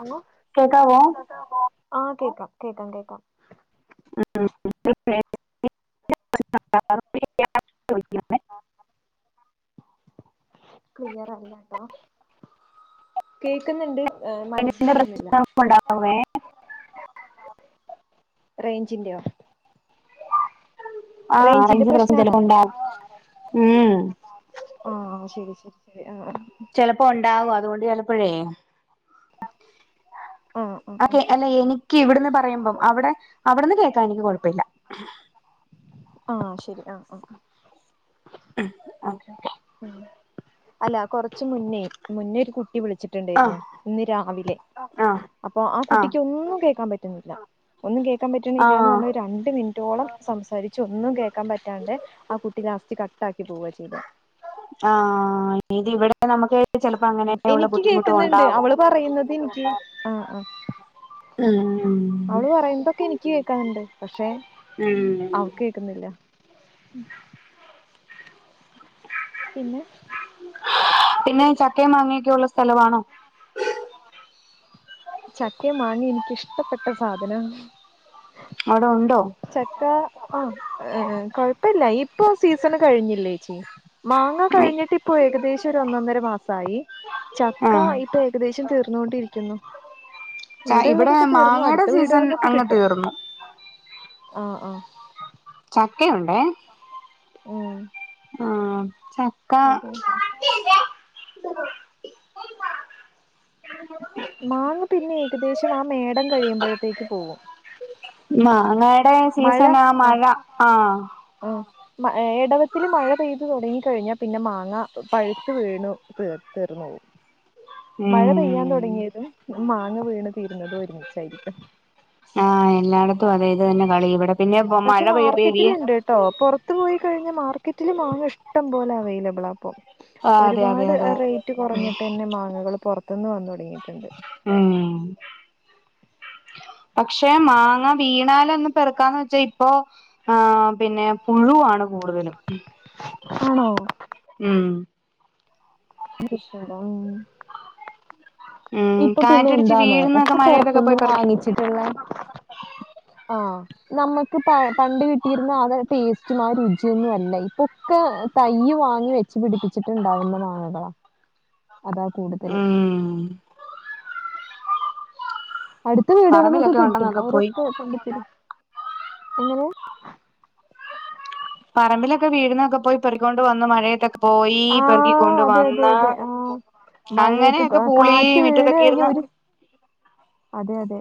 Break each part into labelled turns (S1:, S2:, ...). S1: Hello
S2: കേക്കാവോ?
S1: ആഹ് കേക്കാം കേക്കാം കേക്കാം.
S2: [unintelligible]
S1: [unintelligible] ക്ലിയർല്ലട്ടോ. കേക്കുന്നുണ്ട് ഏഹ്
S2: റേഞ്ചിന്റെ
S1: മനസ്സിലാവുന്നില്ല.
S2: പ്രശ്നം ഉണ്ടാവുമേ
S1: റേഞ്ചിന്റെയോ?
S2: ആഹ്
S1: റേഞ്ചിന്റെ
S2: റെയ്ഞ്ച് പ്രശ്നം
S1: പ്രശ്നാണോ
S2: ചെലപ്പ ഒണ്ടാവും. ഉം
S1: ആഹ് ശരി ശരി ശരി ആഹ്
S2: ചെലപ്പ ഒണ്ടാവും അതുകൊണ്ട് ചെലപ്പഴേ
S1: ആഹ് ആഹ് ആഹ്
S2: അക്കെ അല്ല എനിക്ക് ഇവിടുന്ന് പറയുമ്പം. അവിടെ അവിടുന്ന് കേക്കാൻ എനിക്ക് കൊഴപ്പില്ല.
S1: ആഹ് ശരി ആഹ് ആഹ്
S2: ഉം ഓക്കെ ഓക്കെ
S1: ഉം അല്ല കൊറച്ച് മുന്നേ മുന്നേ ഒരു കുട്ടി വിളിച്ചു
S2: ആ
S1: ണ്ടായിരുന്നു ഇന്ന് രാവിലെ.
S2: ആ
S1: അപ്പൊ ആ കുട്ടിക്ക് ഒന്നും കേക്കാൻ പറ്റുന്നില്ല. ഒന്നും കേക്കാൻ
S2: ആ
S1: പറ്റണില്ലയന്ന് പറഞ് രണ്ട് മിനിറ്റ് റ്റോളം സംസാരിച്ച് ഒന്നും കേക്കാൻ പറ്റാണ്ടെ ആ കുട്ടി ലാസ്റ്റ് കട്ടാക്കി പോവാ ചെയ്തെ.
S2: ആഹ് ഇതിവിടെ നമക്കെ ചെലപ്പോ അങ്ങനെയുള്ള
S1: എനിക്ക്
S2: ബുദ്ധിമുട്ട്
S1: കേക്കുന്നുണ്ട്
S2: ഒണ്ടാവും.
S1: അവള് പറയുന്നത് എനിക്ക് ആഹ് ആഹ് അവള് പറയുന്നതൊക്കെ എനിക്ക് കേക്കനുണ്ട്. പക്ഷെ
S2: ഉം
S1: അവക്ക് കേക്കുന്നില്ല. പിന്നെ
S2: പിന്നെ ചക്കേം മാങ്ങയൊക്കെയൊള്ള സ്ഥലമാണോ?
S1: ചക്കേം മാങേ എനിക്കിഷ്ടപ്പെട്ട സാധനാ.
S2: അവിടെ ഒണ്ടോ?
S1: ചക്ക ആ കൊഴപ്പില്ല ഇപ്പൊ സീസൺ കഴിഞ്ഞില്ലേ ചേച്ചി. മാങ്ങ കഴിഞ്ഞിട്ട് ഇപ്പോ ഏകദേശം ഒരു ഒന്നൊന്നര മാസായി. ചക്ക
S2: ആ
S1: ഇ ഇപ്പ ഏകദേശം തീർന്നുകൊണ്ടിരിക്കുന്നു.
S2: ച
S1: ഇവിടെ ഉള്ളതൊക്കെ തീർന്നു
S2: മാങ്ങയുടെ
S1: അടുത്ത
S2: സീസൺ
S1: വീടുകളന്നൊക്കെ
S2: അങ്ങ്
S1: കിട്ടും.
S2: തീർന്നു
S1: ആഹ് ആഹ്
S2: ചക്കയൊണ്ടേ
S1: ഉം
S2: ആഹ് ചക്ക
S1: അതെ അതെ മാങ്ങ പിന്നെ ഏകദേശം ആ മേടം കഴിയുമ്പഴ്ത്തേക്ക് പോകും.
S2: മാങ്ങാടെ സീസണ് മഴ ആഹ്
S1: ആഹ് എടവത്തില് മഴ പെയ്തു തുടങ്ങി കഴിഞ്ഞാ പിന്നെ മാങ്ങ പഴുത്ത് വീണു തീ തീർന്നു പോകും. മഴ പെയ്യാൻ
S2: ഉം
S1: തുടങ്ങിയതും. മാങ്ങ വീണ് തീരുന്നതും ഒരുമിച്ചായിരിക്കും.
S2: ആഹ എല്ലായിടത്തും അതായത് തന്നെ കളി ഇവിടെ പിന്നെ മഴ പെയ്യ പെയേ
S1: ട്ടോ പുറത്ത് പോയി കഴിഞ്ഞ മാർക്കറ്റിൽ മാ ങ്ങ ഇഷ്ടം പോലെ അവൈലബിളാ ണി പ്പൊ.
S2: ആ അതെ അതെ
S1: ഒരുപാട്
S2: അതെ
S1: റേറ്റ് കുറഞ്ഞിട്ട് തന്നെ മാങ്ങകള് പുറത്തുന്ന് വന്നു തുടങ്ങിയിട്ടുണ്ട്.
S2: ഉം പക്ഷെ മാങ്ങ വീണാലൊന്നും. പെറക്കാന്ന് വെച്ചാ ഇപ്പൊ ആ പിന്നെ പുഴുവാ ണ് കൂടുതലും
S1: ആണോ
S2: ഉം
S1: പ്രശ്ണം
S2: ഉം
S1: ഇപ്പൊ പിന്നെ
S2: കാറ്റടിച്ച്
S1: എന്താണോ
S2: വീഴുന്നൊക്കെ
S1: ഒക്കെ
S2: മഴയത്തൊക്കെ
S1: പുറത്തൊന്ന്
S2: പോയി പറിക്കും
S1: വാങ്ങിച്ചിട്ട്ള. ആ നമുക്ക് പണ്ട് കിട്ടിയിരുന്ന ആ ടേസ്റ്റും ആ രുചിയ ഒന്നും അല്ല. ഇപ്പൊ ഒക്കെ തൈ വാങ്ങി വെച്ച് പിടിപ്പിച്ചിട്ടുണ്ടാവുന്ന മാങ്ങകളാ അതാ കൂടുതല്.
S2: ഉം
S1: അടുത്ത വീടുകളന്നൊക്കെ
S2: പറമ്പിലൊക്കെ
S1: കിട്ടും
S2: ഉണ്ടെന്നൊക്കെ പോയി
S1: അവരൊക്കെ കൊണ്ട് ത രും എങ്ങനെയ
S2: പറമ്പിലൊക്കെ വീഴു ന്നൊക്കെ പോയി പെറുകൊണ്ട് വന്ന് മഴയത്തൊക്കെ പോയി
S1: ആഹ്
S2: പെറുകിക്കൊണ്ട്
S1: അതെ അതെ
S2: വന്ന്.
S1: അതെ ആഹ് മഴയൊക്കെ
S2: അങ്ങനെയൊക്കെ പൂളി
S1: കാറ്റ്
S2: മി
S1: വീണ്
S2: റ്റക്കൊക്കെ
S1: കഴിഞ്ഞ
S2: ഇരുന്ന്
S1: ഒരു അതെ അതെ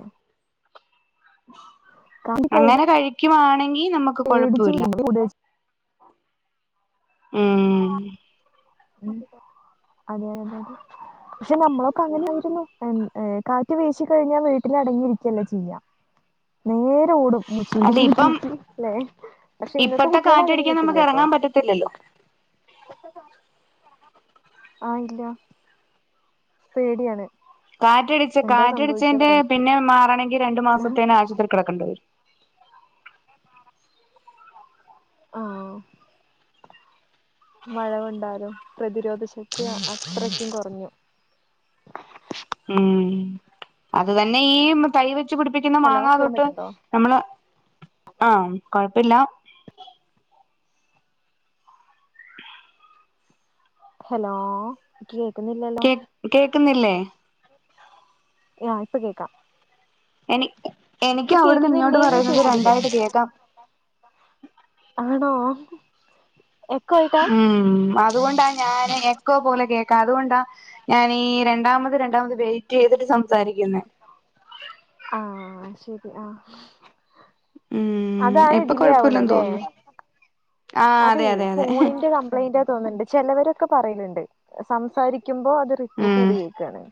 S1: കാറ്റ്
S2: അങ്ങനെ കഴിക്കുവാണെങ്കി നമുക്ക്.
S1: എ
S2: കൊഴപ്പവില്ല
S1: ടിച്ച
S2: ഉം
S1: അതെതതെ പക്ഷെ നമ്മളൊക്കെ അങ്ങനൊയിരുന്നു കാറ്റ് വീശി കഴിഞ്ഞാൽ വീട്ടിലടങ്ങിയിരിക്കുകയല്ല ചെയ്യ. നേരെ ഓടും മുച്ചിന്റെ
S2: അല്ല ഇപ്പം
S1: ചോട്ടിക്ക്. അല്ലെ പക്ഷെ ഇന്നത്തെ കുട്ടികൾ അങ്ങനെ കിട്ടില്ല കേട്ടോ.
S2: ഇല ല്ലോ
S1: ആഇല്ല പേടിയാണ്.
S2: കാറ്റടിച്ച്
S1: എന്താ സംഭവിക്കാ
S2: കാറ്റടിച്ചേതിന്റെ
S1: പറയാൻ
S2: പിന്നെ മാറാണമെങ്കിൽ രണ്ടു മാസത്തേന് ആശുപത്രി കിടക്കേണ്ടി വരും.
S1: [inaudible] ആഹ മഴ കൊണ്ടാലും പ്രതിരോധ ശക്തി അത്രക്കും കുറഞ്ഞു.
S2: ഉം അത് തന്നെ ഈ തൈ വെച്ച് പിടിപ്പിക്കുന്ന
S1: ഹലോ
S2: മാങ്ങാ
S1: കേക്കാൻ
S2: തൊട്ട്
S1: പറ്റുന്നുണ്ടോ
S2: നമ്മള് ആഹ കുഴപ്പില്ല.
S1: ആ ഹലോ? കേൾക്കുന്നില്ലല്ലോ?
S2: കേൾക്കുന്നില്ലേ?
S1: ആ ഇപ്പൊ കേക്കാം.
S2: എനി എനിക്ക്
S1: ഇപ്പൊ
S2: അവിടുന്ന് ഇങ്ങോട്ട്
S1: കേക്കുന്നില്ലേന്ന്
S2: പറയുന്നത്
S1: ചോദിച്ചത്
S2: രണ്ടായിട്ട് കേൾക്കാം.
S1: ആണോ എക്കോ ആയിട്ടാ
S2: ഉം അത്കൊണ്ടാ ഞാൻ ക്കോ പോലെ കേക്കാം അതുകൊണ്ടാ ഞാൻ രണ്ടാമത് രണ്ടാമത് വെയിറ്റ് യ്തിട്ട് സംസാരിക്കുന്നേ.
S1: ആഹ് ശരി ആഹ്
S2: ഉം
S1: അതാണ്
S2: ഇപ്പൊ
S1: ഡിലേ
S2: കൊഴപ്പമില്ലെന്ന്
S1: ആവണല്ലേ.
S2: തോന്നുന്നു
S1: അതെ ഫോണിന്റെ കംപ്ലയിന്റ് തോന്ന്ണ്ട് ചെലവരൊക്കെ പറയലണ്ട് സംസാരിക്കുമ്പോ അത് റിപ്പീറ്റ്
S2: ഉം
S1: യ്ത് കേക്കാണ്.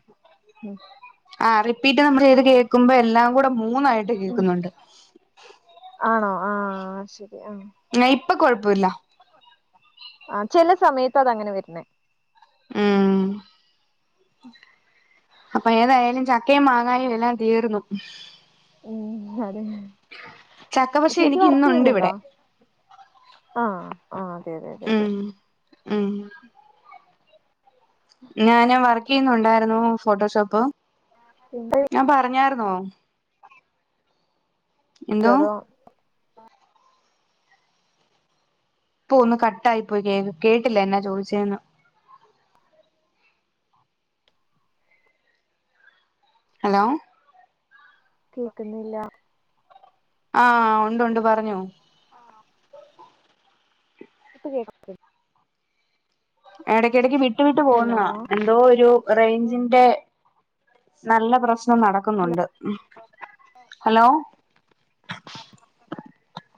S2: ആഹ് റിപ്പീറ്റ് നമ്മൾ ചെയ്ത് കേക്കുമ്പോ എല്ലാം കൂടെ മൂന്നായിട്ട്
S1: ഉം
S2: കേക്ക്ന്നുണ്ട്.
S1: ആണോ? ആഹ് ശരി ആഹ്
S2: ന്നാ ഇപ്പൊ കൊഴപ്പല്ല.
S1: ആഹ് ചെല സമയത്ത് അത് അങ്ങനെ വര്ണേ.
S2: ഉം അപ്പ ഏതായാലും ചക്കേം മാങ്ങാനും എല്ലാം തീർന്നു.
S1: മ്മ് അതെ
S2: ചക്ക പക്ഷെ
S1: ചേച്ചി
S2: എനിക്ക്
S1: വർക്ക്
S2: ഇന്നുണ്ട്
S1: യ്യ്ന്ന്ണ്ടോ?
S2: ഇവിടെ
S1: അഹ് ആഹ് അതെ അതെ അതെ അതെ
S2: ഉം ഉം ഞാന് വർക്ക് യ്യുന്നുണ്ടായിരുന്നു ഫോട്ടോഷോപ്പ്.
S1: [unintelligible]
S2: ഞാൻ പറഞ്ഞായിര്ന്നോ? എന്തോ
S1: [unintelligible]
S2: ഇപ്പൊ ഒന്ന് കട്ടായിപ്പോയി കേ കേട്ടില്ല എന്നാ ചോദിച്ചെന്ന്. ഹലോ?
S1: കേക്ക്ന്നില്ല.
S2: ആഹ് ഉണ്ട് ഉണ്ട് പറഞ്ഞോ?
S1: ഇപ്പ കേക്ക
S2: എടെക്കി എടക്കി വിട്ടു വിട്ട്
S1: ഹലോ
S2: പോവുന്നാ എന്തോ ഒരു റേഞ്ചിന്റെ നല്ല പ്രശ്നം
S1: ഹലോ
S2: നടക്കുന്നുണ്ട് ഉം. ഹലോ?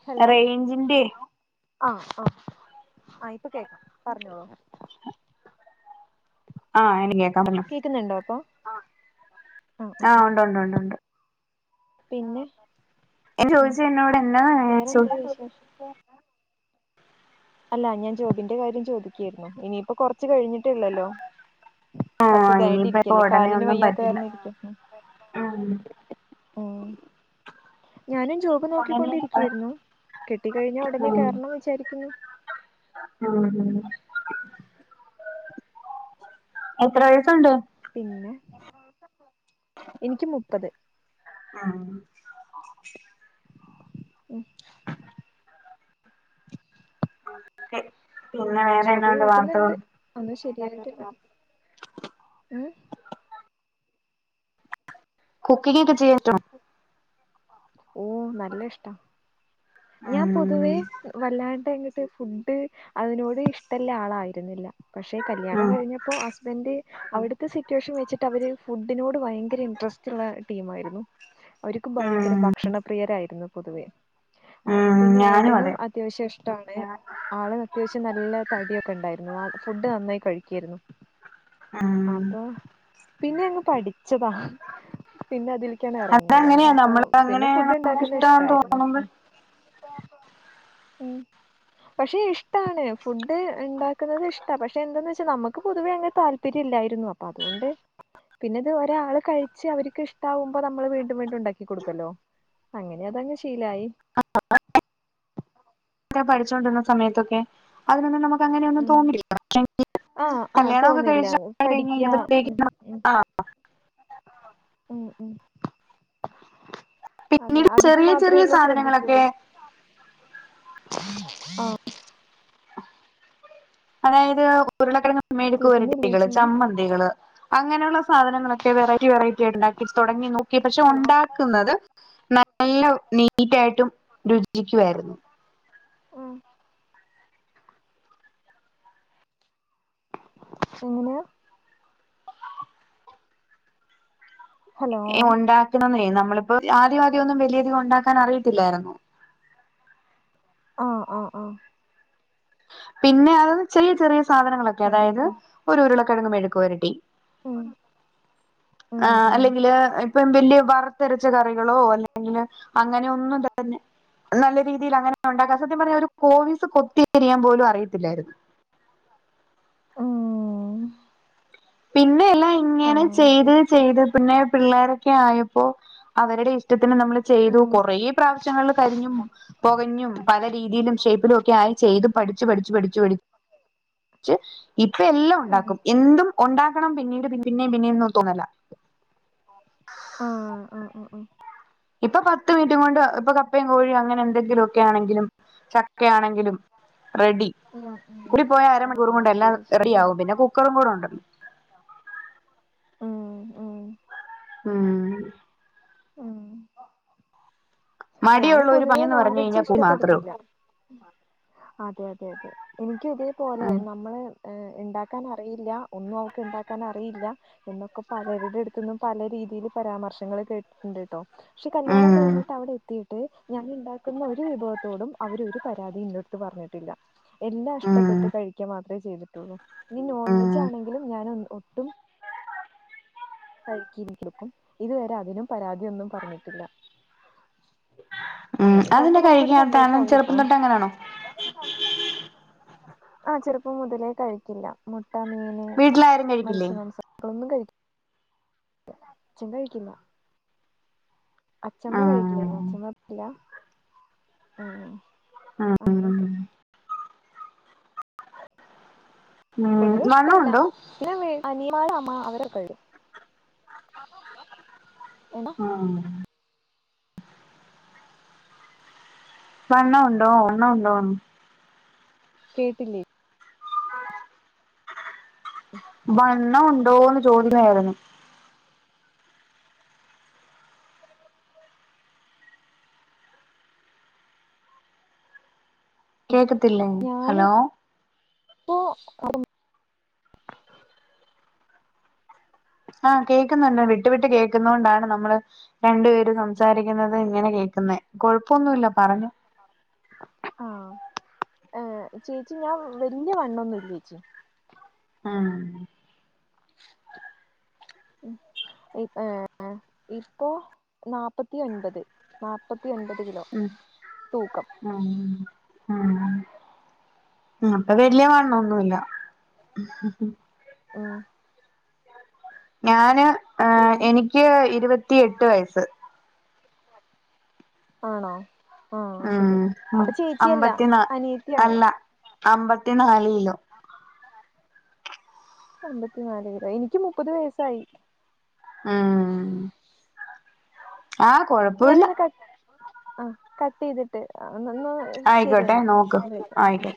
S1: ഹലോ?
S2: റേഞ്ചിന്റെ
S1: ആഹ് ആഹ് ആഹ് ഇപ്പ കേക്കാം പറഞ്ഞോളൂ.
S2: ആഹ് എനിക്ക് കേക്ക [unintelligible]
S1: കേക്ക്ന്ന്ണ്ടോ ഇപ്പോ? ആഹ്
S2: ആഹ് ഉണ്ട് ഉണ്ട് ഉണ്ട് ഉണ്ട്
S1: പിന്നെ? ആഹ്
S2: ചോയിച്ചു എന്നോട് എന്നാ ച്ചു
S1: [inaudible] അല്ല ഞാൻ ജോബിന്റെ കാര്യം ചോദിക്കായിരുന്നു ഇനിയിപ്പോ കൊർച്ച് കഴിഞ്ഞിട്ടള്ളല്ലോ.
S2: ആഹ്
S1: അസുഖായിട്ട്
S2: ഇനിയിപ്പ ഇപ്പ
S1: ഇരിക്കല്ലേ
S2: ഉടനെ
S1: കാലിന്
S2: ഒന്നും
S1: വയ്യാത്ത
S2: പറ്റില്ല
S1: കാരണം യിരിക്ക
S2: ഉം
S1: ഉം ഉം ഞാനും ജോബ്
S2: ഉടനെ
S1: നോക്കിക്കൊണ്ടിരിക്കായിരുന്നു കിട്ടിക്കഴിഞ്ഞ ഉടനെ
S2: ഉം
S1: കേറണം വിചാരിക്കുന്നു.
S2: [unintelligible] എത്ര വയസ്സുണ്ട്?
S1: പിന്നെ എനിക്ക് മുപ്പത്
S2: ആഹ്
S1: ഉം
S2: കെ പിന്നെ വേറെ എന്തോണ്ട് വാർത്തകൾ?
S1: ഒന്ന് ശരിയായിട്ട് മ്
S2: കുക്കിങ്ങൊക്കെ ചെയ്യ് ട്ട്
S1: ഓ നല്ല ഇഷ്ടാ ഞാൻ പൊതുവേ
S2: ഉം
S1: വല്ലാണ്ട് ഇങ്ങട്ട് ഫുഡ് അതിനോട് ഇഷ്ടല്ല ആളായിരുന്നില്ല പക്ഷെ കല്യാണം
S2: ഉം
S1: കഴിഞ്ഞപ്പോ ഹസ്ബന്റ് അവിടുത്തെ സിറ്റുവേഷൻ വെച്ചിട്ട് അവര് ഫുഡിനോട് ഭയങ്കര ഇൻട്രസ്റ്റ്ള്ള ടീം ആയിരുന്നു. അവര്ക്ക് ഭയങ്കര
S2: ഉം
S1: ഭക്ഷണപ്രിയരായിരുന്നു പൊതുവേ അപ്പോ
S2: ഉം
S1: പിന്നെ
S2: ഞാനും
S1: ഏട്ടനും
S2: അതെ
S1: അത്യാവശ്യം ഇഷ്ടാണ് ആൾ അത്യാവശ്യം നല്ല തടിയൊക്കെ ഉണ്ടായിരുന്നു ഫുഡ് നന്നായി കഴിക്കായിരുന്നു
S2: ആഹ്
S1: അപ്പോ പിന്നെ അങ്ങ് പഠിച്ചതാ പിന്നെ അതിൽക്കെന്നെ എറങ്ങിയതാ
S2: അതങ്ങനെയാ
S1: അപ്പോ
S2: നമ്മള്
S1: പിന്നെ
S2: അങ്ങനെ
S1: ഫുഡ്
S2: നമുക്ക്
S1: ഉണ്ടാക്കുന്നത്
S2: ഇഷ്ടാന്ന്
S1: ഇഷ്ടായിരുന്നു
S2: തോന്നുമ്പോ
S1: ഉം [inaudible] പക്ഷെ ഇഷ്ടാണ് ഫുഡ് ണ്ടാക്കുന്നത് ഇഷ്ടാ പക്ഷെ എന്തെന്ന് വെച്ചാൽ നമ്മക്ക് പൊതുവെ അങ്ങനെ താ ല്പര്യല്ലായിരുന്നു അപ്പോ അതുകൊണ്ട് പിന്നെ ഇത് ഒരാൾ കഴിച്ച് അവർക്ക് ഇഷ്ടാകുമ്പോ നമ്മൾ വീണ്ടും വീണ്ടും ഉണ്ടാക്കി കൊടുക്കല്ലോ അങ്ങനെ അതങ്ങ് ശീലായി
S2: [inaudible] ഞാൻ പഠിച്ചോണ്ടിരുന്ന സമയത്തൊക്കെ അതിനൊന്നും നമുക്ക് അങ്ങനെ ഒന്നും
S1: ഉം
S2: തോന്നില്ല
S1: ആഹ്
S2: [inaudible]
S1: ആഹ്
S2: കല്യാണം ഒക്കെ
S1: തോന്നില്ല
S2: കഴിച്ച്
S1: പഠിക്ക ഉം
S2: കഴിഞ്ഞിനപ്പത്തേക്കും
S1: ഉം
S2: ആഹ് ആഹ്
S1: അതെ
S2: പിന്നീട്
S1: അതിക്ക്
S2: ചെറിയ
S1: മാത്രേ
S2: ചെറിയ
S1: ഉള്ളൂ
S2: സാധനങ്ങളൊക്കെ
S1: ശ്രദ്ധിക്കുള്ളൂ ആഹ്
S2: അതായത് ഉരുളക്കിഴങ്ങ്
S1: കേക്കുന്നില്ലേ
S2: മെഴുക്കുപെരട്ടികള്
S1: ചീ
S2: ചമ്മന്തി കുട്ടികള് അങ്ങനുള്ള സാധനങ്ങളൊക്കെ വെറൈറ്റി വെറൈറ്റി ഇണ്ടാക്കി തൊടങ്ങി നോക്കി പക്ഷെ
S1: ഹലോ
S2: ഒണ്ടാ ക്കുന്നത് നല്ല നീറ്റായിട്ടും രുചിക്കായിരുന്നു
S1: ആഹ് എങ്ങനാ ഹലോ
S2: ഏഹ് ഉണ്ടാക്കണന്ന് നമ്മളിപ്പോ ആദ്യം ആദ്യം ഒന്നും വലിയധികം ഉണ്ടാക്കാൻ അറിയത്തില്ലായിരുന്നു.
S1: ആഹ് അ അ
S2: പിന്നെ അത് ചെറിയ ചെറിയ സാധനങ്ങളൊക്കെ
S1: അതെ
S2: അതായത്
S1: അതെ
S2: ഒരു ഉരുളക്കെഴങ്ങ് മെഴക്ക്പെരട്ടി
S1: ഉം ഉം
S2: ആഹ്
S1: ഉം
S2: അല്ലെങ്കില് ഇപ്പം വല്ല്യ വറുത്തരച്ച കറികളോ അല്ലെങ്കില് അങ്ങനെ ഒന്നും തന്നെ നല്ല രീതിയിൽ അങ്ങനെ ഉണ്ടാക്കാം സത്യം പറഞ്ഞാൽ ഒരു കോവിസ് കൊത്തി എരിയാൻ പോലും അറിയത്തില്ലായിരുന്നു.
S1: ഉം
S2: പിന്നെ എല്ലാം
S1: ആ
S2: ഇങ്ങനെ ചെയ്ത്
S1: ശരി
S2: ചെയ്ത് പിന്നെ പിള്ളേരൊക്കെ ആയപ്പോ അവരുടെ ഇഷ്ടത്തിന് നമ്മൾ ചെയ്തു
S1: ഉം
S2: കൊറേ പ്രാവശ്യങ്ങളിൽ കരിഞ്ഞു പൊകഞ്ഞും പല രീതിയിലും ഷേപ്പിലും ഒക്കെ ആയി ചെയ്ത് പഠിച്ചു പഠിച്ചു പഠിച്ചു പഠിച്ചു ഇച്ച് ഇപ്പ എല്ലാം
S1: ഉം
S2: ഉണ്ടാക്കും എന്തും ഒണ്ടാക്കണം പിന്നീട് പിന്ന പിന്നെയും പിന്നെയൊന്നും തോന്നല
S1: ആഹ് അ അ അ
S2: ഇപ്പൊ പത്ത് മിനിറ്റും കൊണ്ട് ഇപ്പൊ കപ്പയും കോഴിയും അങ്ങനെ
S1: ഉം
S2: എന്തെങ്കിലും കെഴങ്ങ് ആണെങ്കിലും ചക്കയാണെങ്കിലും റെഡി
S1: ഉം
S2: കൂടി പോയ
S1: ആ
S2: അരമണിക്കൂറും കൊണ്ട് എല്ലാം
S1: ശരി
S2: റെഡിയാവും പിന്നെ കുക്കറും കൂടെ ഉണ്ടല്ലോ
S1: മ്മ് മ്മ്
S2: ഉം
S1: ഉം ഞാന്
S2: മടിയുള്ള ഒരു
S1: പൊതുവേ
S2: പണിയെന്ന് പറഞ്ഞു
S1: നോൺവെജു
S2: കഴിഞ്ഞാൽ കു മാത്രേ
S1: ഇഷ്ടപ്പെടുന്നില്ല
S2: ഉള്ളൂ
S1: അതെ അതെ അതെ എനിക്കു ഇതേപോലെ
S2: ഉം
S1: നമ്മളെ ഏഹ് ഇണ്ടാക്കാൻ അറിയില്ല ഒന്നും അവക്ക് ഇണ്ടാക്കൻ അറിയില്ല എന്നൊക്കെ പലരുടെ അട്ത്തു നിന്നും പല രീതിയില് പരാമർശങ്ങൾ കേട്ടിട്ടുണ്ട് കേട്ടോ പക്ഷെ കല്യാണം
S2: ഉം
S1: കഴിഞ്ഞിട്ട് അവിടെ എ എത്തിയിട്ട് ഞാൻ ഇണ്ടാക്കുന്ന ഒരു വിഭവത്തോടും അവര് ഒരു പരാതി ഇന്റെ അടുത്ത് പറഞ്ഞി ട്ടില്ല എല്ലാം
S2: ഉം
S1: ഇഷ്ടപ്പെട്ട് കഴിക്ക മാത്രേ ചെയ്തിട്ടുള്ളൂ ഇനി നോൺ
S2: ഉം
S1: വെജ് ആണെങ്കിലും ഞാൻ ഒന്ന് ഒട്ടും കഴിക്കിക്കിലുക്കും ഇതുവരെ അതിനും പരാതിയൊന്നും പറഞ്ഞിട്ടില്ല
S2: ഉം
S1: അങ്ങനെയൊക്കെ
S2: അതെന്നാ കഴിക്കാത്തെ അവൻ ചെറുപ്പം തൊട്ട് അങ്ങനാണോ
S1: ആഹ് ചെറുപ്പം മുതലേ കഴിക്കില്ല മുട്ട, മീൻ ഓഹ്
S2: വീട്ടിലാരും കഴിക്കില്ലേ
S1: മത്സ്യ മാംസം കളൊന്നും കഴി തെച്ചും കഴിക്കില്ല അച്ചമ്മ
S2: ഉം
S1: കഴിക്കില്ലേനു അച്ചമ്മ ഇപ്പില്ല മ്മ്
S2: ഉം
S1: അങ്ങനെക്കെ പൊതുവെ
S2: ഉംവണ്ണോ
S1: ഇഷ്ടല്ല
S2: ഇണ്ടോ
S1: പിന്നെ അനിയമാര് അമ്മ അവര് കഴുകും മണാ
S2: ഉം വണ്ണം ഇണ്ടോ വണ്ണം ഇണ്ടോന്ന്
S1: കേട്ടില്ലേ
S2: വണ്ണം ഉണ്ടോന്ന് ചോദിക്കായിരുന്നു
S1: ഇല്ല
S2: കേക്കത്തില്ലേ
S1: ഞാന്
S2: ഹലോ
S1: ഇപ്പോ [unintelligible]
S2: ആഹ് കേക്കുന്നുണ്ട് വിട്ട് വിട്ട് കേക്കുന്നത് കൊണ്ടാണ് നമ്മള് രണ്ട് പേര് സംസാരിക്കുന്നത് ഇങ്ങനെ കേൾക്കുന്നെ കൊഴപ്പൊന്നുല്ല പറഞ്ഞോ
S1: ആഹ് ഏഹ് ചേച്ചി ഞാൻ വലിയ വണ്ണൊന്നുല്ല ചേച്ചി
S2: ആഹ്
S1: ഇ ഇപ്പോ നാപ്പത്തി ഒൻപത് നാപ്പത്തി ഒൻപത് കിലോ
S2: ഉം
S1: തൂക്കം
S2: ഉം ഉം അപ്പൊ വലിയ വണ്ണൊന്നുല്ല
S1: ആഹ്
S2: ഞാന് ഏ
S1: പിന്നെ
S2: എനിക്ക് ഇരുപത്തിയ എട്ട് വയസ്സ്
S1: ആണോ ആഹ്
S2: ഉം
S1: ശരി
S2: ഉം
S1: അപ്പൊ ചേച്ചിയല്ല അനിയത്തിയാണ്
S2: അമ്പത്തി നാൽകിലോ
S1: അമ്പത്തിനാലോ എനിക്ക് മുപ്പത് വയസ്സായി
S2: ആഹ് ആറ കൊ
S1: ഞാനന്നൊ ക ആ കട്ട് ചെയ്തിട്ട് എന്നാ
S2: ആയിക്കോട്ടെ
S1: ശരിയെന്നാ
S2: നോക്ക് ആയിക്കോട്ടെ